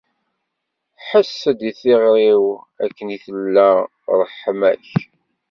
Ḥess-d i tiɣri-w akken i tella ṛṛeḥma-k!